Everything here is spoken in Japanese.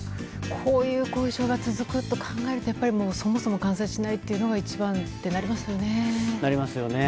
こういう後遺症が続くと考えるとそもそも感染しないのが一番となりますよね。